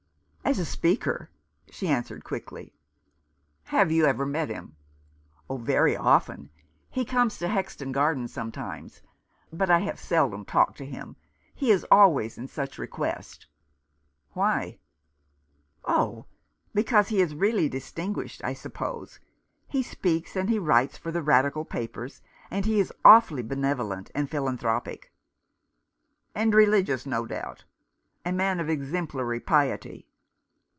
" As a speaker," she answered quickly. " Have you ever met him ?" "Very often. He comes to Hexton Gardens sometimes — but I have seldom talked to him.. He is always in such request." " Why ?" 231 Rough Justice. "Oh, because he is really distinguished, I suppose. He speaks, and he writes for the Radical papers, and he is awfully benevolent and philanthropic "" And religious, no doubt ? A man of exemplary piety."